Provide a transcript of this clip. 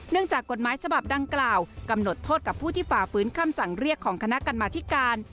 จากกฎหมายฉบับดังกล่าวกำหนดโทษกับผู้ที่ฝ่าฟื้นคำสั่งเรียกของคณะกรรมธิการ